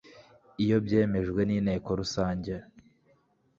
iyo byemejwe n intekorusange